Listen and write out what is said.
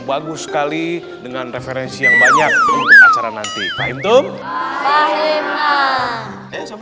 bagus sekali dengan referensi yang banyak acara nanti fahim tum fahim nah